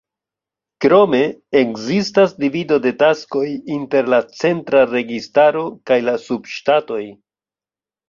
Krome, ekzistas divido de taskoj inter la centra registaro kaj la subŝtatoj.